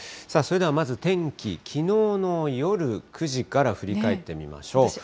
それではまず天気、きのうの夜９時から振り返ってみましょう。